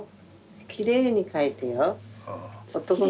きれいに描いてよ。